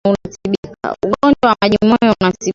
Ugonjwa wa majimoyo unatibika